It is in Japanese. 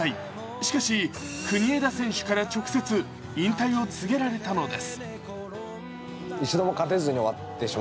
しかし、国枝選手から直接引退を告げられたのです。